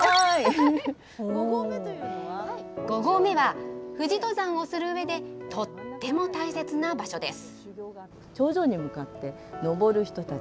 ５合目は富士登山をするうえで、とっても大切な場所です。